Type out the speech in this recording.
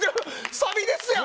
サビですやん。